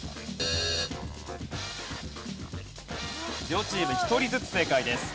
両チーム一人ずつ正解です。